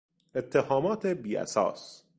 اتهامات بیاساس